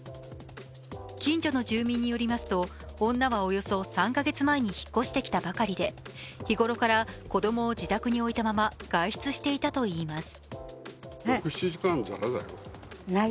近所の住民によりますと、女はおよそ３カ月前に引っ越してきたばかりで日頃から子供を自宅に置いたまま外出していたといいます。